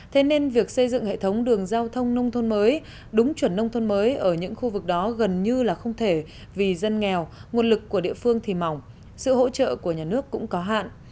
thế nên việc xây dựng hệ thống đường giao thông nông thôn mới đúng chuẩn nông thôn mới ở những khu vực đó gần như là không thể vì dân nghèo nguồn lực của địa phương thì mỏng sự hỗ trợ của nhà nước cũng có hạn